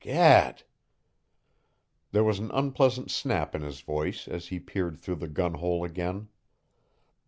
GAD!" There was an unpleasant snap in his voice as he peered through the gun hole again.